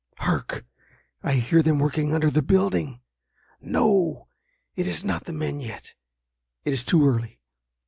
Hark! I hear them working under the building! No! it is not the men yet. It is too early.